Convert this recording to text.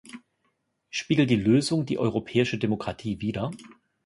Spiegelt die Lösung die europäische Demokratie wider?